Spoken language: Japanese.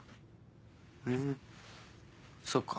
ふんそっか。